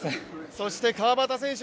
そして、川端選手